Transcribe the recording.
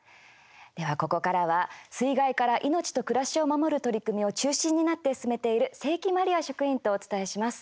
では、ここからは、水害から命と暮らしを守る取り組みを中心になって進めている清木まりあ職員とお伝えします。